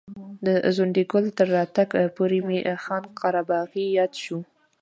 د ځونډي ګل تر راتګ پورې مې خان قره باغي یاد شو.